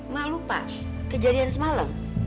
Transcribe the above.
mak lupa kejadian semalam